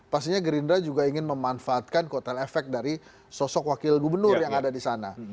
pastinya gerindra juga ingin memanfaatkan kotel efek dari sosok wakil gubernur yang ada di sana